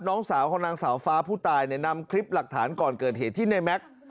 น้องสาวของนางสาวฟ้าผู้ตายเนี่ยนำคลิปหลักฐานก่อนเกิดเหตุที่ในแม็กซ์